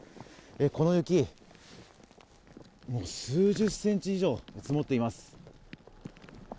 この雪、数十センチ以上積もっています。